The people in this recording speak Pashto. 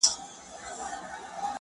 د بشريت له روحه وباسه ته _